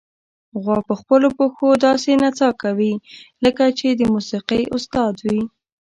غوا په خپلو پښو داسې نڅا کوي، لکه چې د موسیقۍ استاد وي.